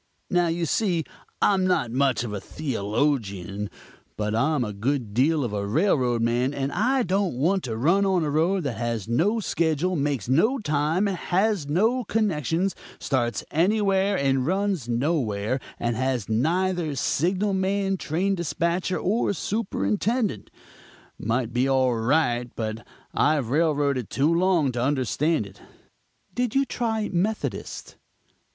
Now, you see, I'm not much of a theologian, but I'm a good deal of a railroad man, and I don't want to run on a road that has no schedule, makes no time, has no connections, starts anywhere and runs nowhere, and has neither signal man, train dispatcher or superintendent. Might be all right, but I've railroaded too long to understand it." "Did you try the Methodist?"